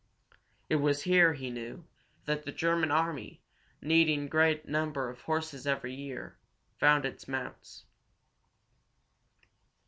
It was here, he knew, that the German army, needing great numbers of horses every year, found its mounts.